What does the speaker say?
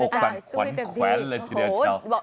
ออกสั่งขวัญแขวนเลยทีเดียวเช้า